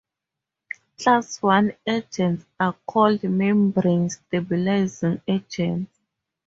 Class One agents are called membrane-stabilizing agents.